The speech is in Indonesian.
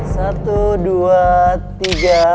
satu dua tiga